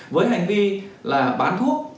với hành vi là bán thuốc